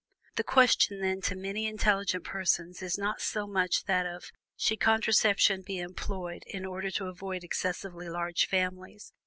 The question, then, to many intelligent persons is not so much that of "Should contraception be employed in order to avoid excessively large families?"